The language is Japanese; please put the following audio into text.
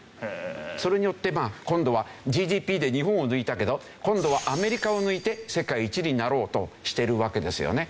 それによって今度はＧＤＰで日本を抜いたけど今度はアメリカを抜いて世界一になろうとしているわけですよね。